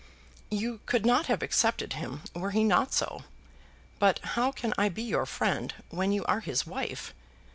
"You could not have accepted him were he not so. But how can I be your friend when you are his wife?